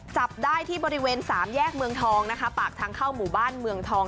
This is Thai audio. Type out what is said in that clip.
จับได้ที่บริเวณสามแยกเมืองทองนะคะปากทางเข้าหมู่บ้านเมืองทอง